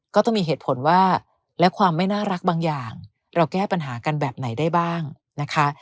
ก็ต้องมีเหตุผลว่าและความไม่น่ารักบางอย่างเราแก้ปัญหากันแบบไหนได้บ้างนะคะ